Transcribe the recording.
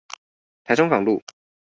台中港路